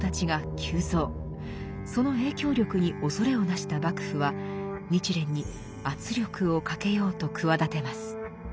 その影響力におそれをなした幕府は日蓮に圧力をかけようと企てます。